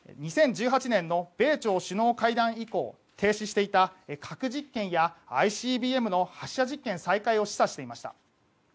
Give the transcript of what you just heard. ２０１８年の米朝首脳会談以降停止していた核実験やＩＣＢＭの発射実験再開を示唆していました。